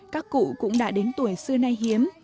các cụ cũng đã đến tuổi xưa nay hiếm